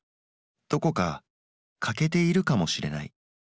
どこか欠けているかもしれない。